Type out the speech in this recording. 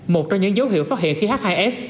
một trong những dấu hiệu phát hiện khi h hai s